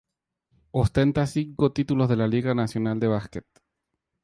Ostenta cinco títulos de la Liga Nacional de Básquet.